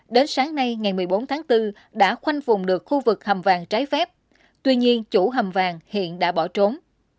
đến sáng nay ngày một mươi bốn tháng bốn đã khoanh vùng được khu vực hầm vàng trái phép tuy nhiên chủ hầm vàng hiện đã bỏ trốn